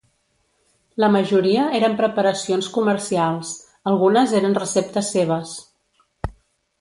La majoria eren preparacions comercials, algunes eren receptes seves.